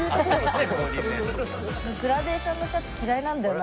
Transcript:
グラデーションのシャツ嫌いなんだよな。